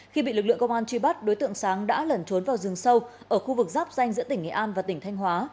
khi bị lực lượng công an truy bắt đối tượng sáng đã lẩn trốn vào rừng sâu ở khu vực giáp danh giữa tỉnh nghệ an và tỉnh thanh hóa